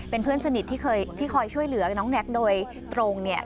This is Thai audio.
เป็นเพื่อนสนิทที่เคยที่คอยช่วยเหลือน้องแน็กโดยตรงเนี่ย